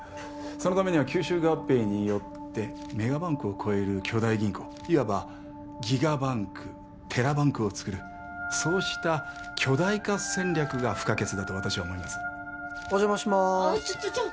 そのためには吸収合併によってメガバンクを超える巨大銀行いわばギガバンクテラバンクをつくるそうした巨大化戦略が不可欠だと私は思いますお邪魔しますあちょちょ